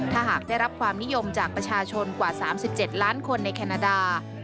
ถ้าหากได้รับความนิยมจากประชาชนกว่า๓๗ล้านคนในแคนาดา